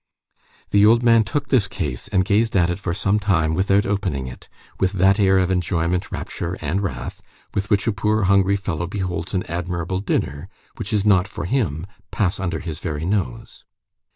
The old man took this case and gazed at it for some time without opening it, with that air of enjoyment, rapture, and wrath, with which a poor hungry fellow beholds an admirable dinner which is not for him, pass under his very nose.